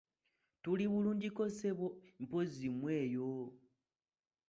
Tuli bulungiko ssebo, mpozzi mmwe eyo?